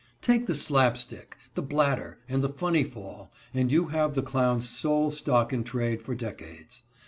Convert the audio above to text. Take the slap stick, the bladder, and the funny fall, and you have the clown's sole stock in trade for decades.